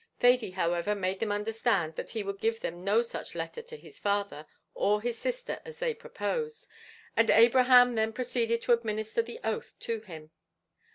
Thady, however, made them understand that he would give them no such letter to his father or his sister as they proposed, and Abraham then proceeded to administer the oath to him.